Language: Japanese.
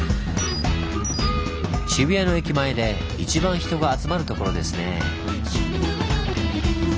渋谷の駅前で一番人が集まるところですねぇ。